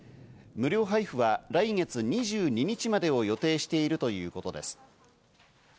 無料配布は来月２２日までを予定しているということです。